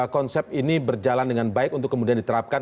konsep ini berjalan dengan baik untuk kemudian diterapkan